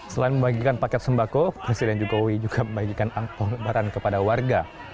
selain membagikan paket sembako presiden jokowi juga membagikan angkong lebaran kepada warga